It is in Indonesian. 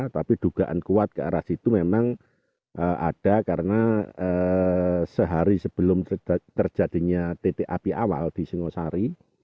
tapi dugaan kuat ke arah situ memang ada karena sehari sebelum terjadinya titik api awal di singosari